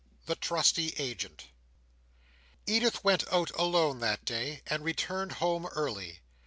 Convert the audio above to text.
The Trusty Agent Edith went out alone that day, and returned home early.